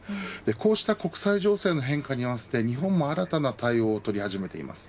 こうした国際情勢の変化に合わせて日本も新たな対応を取り始めています。